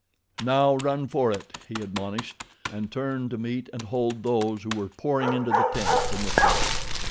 "Now run for it," he admonished, and turned to meet and hold those who were pouring into the tent from the front.